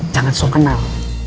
jangan sok kenal